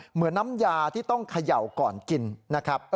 เหมือนน้ำยาที่ต้องเขย่าก่อนกินนะครับ